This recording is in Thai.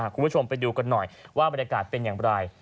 คุณผู้ชมไปดูกันหน่อยว่าบรรยากาศเป็นอย่างไร